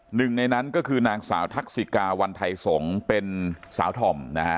หนึ่งในนั้นก็คือนางสาวทักษิกาวันไทยสงฆ์เป็นสาวธอมนะฮะ